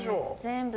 全部。